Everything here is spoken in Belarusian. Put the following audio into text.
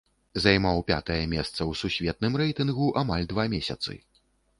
Займаў пятае месца ў сусветным рэйтынгу амаль два месяцы.